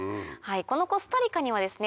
このコスタリカにはですね